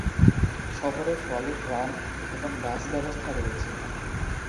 শহরে trolley, tram এবং bus ব্যবস্থা রয়েছে।